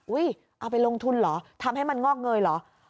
เอาไปลงทุนเหรอทำให้มันงอกเงยเหรอ